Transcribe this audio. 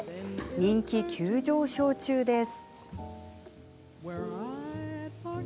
人気急上昇中です。